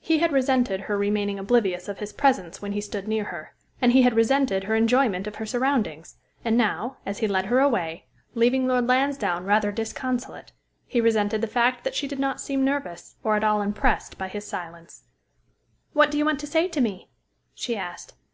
He had resented her remaining oblivious of his presence when he stood near her, and he had resented her enjoyment of her surroundings; and now, as he led her away, leaving Lord Lansdowne rather disconsolate, he resented the fact that she did not seem nervous, or at all impressed by his silence. "What do you want to say to me?" she asked.